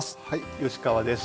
吉川です。